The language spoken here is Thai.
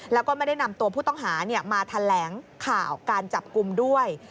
แล้วก็ไม่ได้นำตัวผู้ต้องหามาแถลงข่าวการจับกลุ่มด้วย